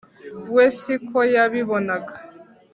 we si ko yabibonaga